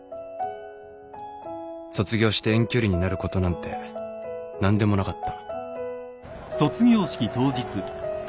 卒業して遠距離になることなんて何でもなかった